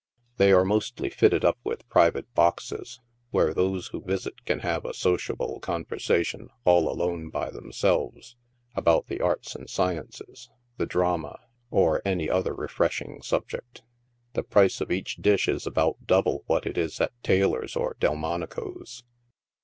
They are mostly fitted up with private boxes, where those who visit can have a sociable conversa tion all alone by themselves, about the arts and sciences, the drama, or any other refreshing subject. The price of each dish is about double what it is at Taylor's or Delmonico's.